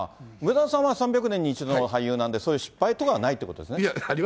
梅沢さんは３００年に１度の俳優なんで、そういう失敗とかないってことですね。